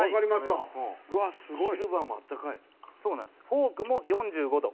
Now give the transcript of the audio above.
フォークも４５度。